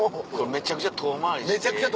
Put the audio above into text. めちゃくちゃ遠回り。